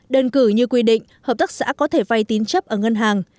đơn cử như quy định hợp tác xã có thể vay tín chấp ở ngân hàng